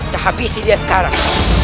dah habisi dia sekarang